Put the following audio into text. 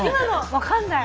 分かんない。